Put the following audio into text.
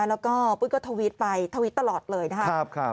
แล้วก็ปุ้ยก็ทวิตไปทวิตตลอดเลยนะครับ